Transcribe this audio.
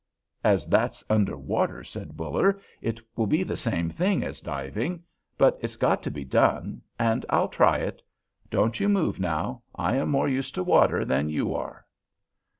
"As that's under water," said Buller, "it will be the same thing as diving; but it's got to be done, and I'll try it. Don't you move now; I am more used to water than you are."